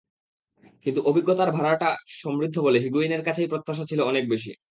কিন্তু অভিজ্ঞতার ভাড়ারটা সমৃদ্ধ বলে হিগুয়েইনের কাছেই প্রত্যাশা ছিল অনেক বেশি।